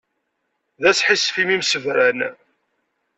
D asḥissef imi msebran.